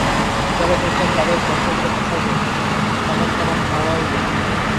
যাঁরা এসেছেন, তাঁদের যত্ন করে বসাওগে, তামাক-টামাক খাওয়াওগে।